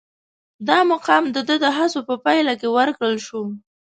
دا مقام د ده د هڅو په پایله کې ورکړل شو.